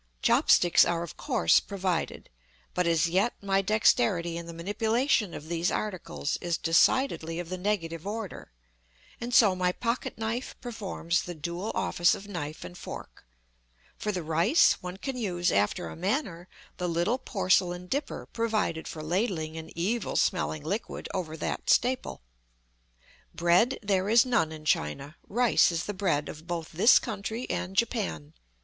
Chop sticks are, of course, provided; but, as yet, my dexterity in the manipulation of these articles is decidedly of the negative order, and so my pocket knife performs the dual office of knife and fork; for the rice, one can use, after a manner, the little porcelain dipper provided for ladling an evil smelling liquid over that staple. Bread, there is none in China; rice is the bread of both this country and Japan.